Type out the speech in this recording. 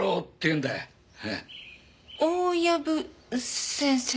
大藪先生？